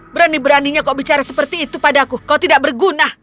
berani beraninya kau bicara seperti itu padaku kau tidak berguna